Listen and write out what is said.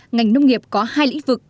ngành nông nghiệp có hai lĩnh vực